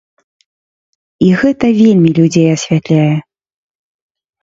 І гэта вельмі людзей асвятляе.